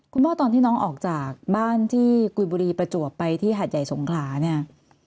ตอนที่น้องออกจากบ้านที่กุยบุรีประจวบไปที่หัดใหญ่สงขลาเนี่ย